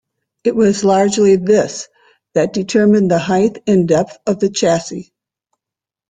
It was largely this that determined the height and depth of the chassis.